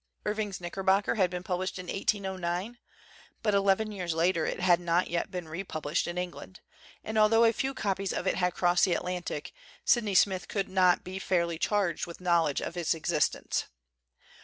Irving's ' Knickerbocker ' had been published in 1809, but eleven years later it had not yet been re published in England; and altho a few copies of it had crossed the Atlantic, Sydney Smith could not fairly be charged with knowledge of its ex istence.